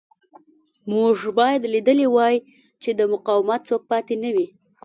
موږ باید لیدلی وای چې د مقاومت څوک پاتې نه وي